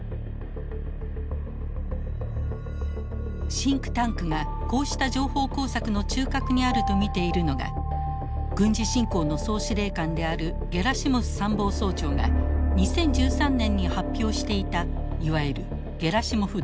シンクタンクがこうした情報工作の中核にあると見ているのが軍事侵攻の総司令官であるゲラシモフ参謀総長が２０１３年に発表していたいわゆるゲラシモフ・ドクトリン。